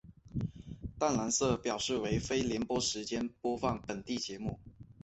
淡蓝色表示为非联播时间播放本地节目。